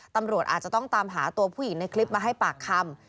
ตำรวจอาจจะต้องตามหาตัวผู้หญิงในคลิปมาให้ปากคำ